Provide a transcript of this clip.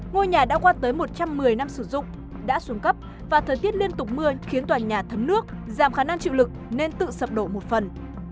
ngôi nhà đã qua tới một trăm một mươi năm sử dụng đã xuống cấp và thời tiết liên tục mưa khiến tòa nhà thấm nước giảm khả năng chịu lực nên tự sập đổ một phần